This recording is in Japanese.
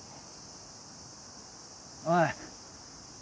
おい。